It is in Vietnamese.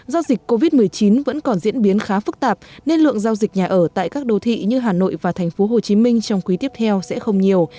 do dịch covid một mươi chín vẫn còn diễn biến khá phức tạp nên lượng giao dịch nhà ở tại các đô thị như hà nội và thành phố hồ chí minh trong quý tiếp theo sẽ không nhiều